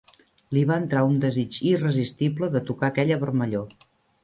Li va entrar un desig irresistible de tocar aquella vermellor